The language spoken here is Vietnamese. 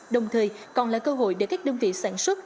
đồng thời còn là cơ hội để các đơn vị sản xuất